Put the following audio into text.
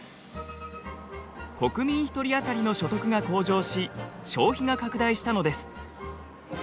国民１人当たりの所得が向上し消費が拡大したのです。